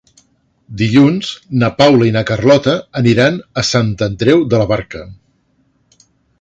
Dilluns na Paula i na Carlota aniran a Sant Andreu de la Barca.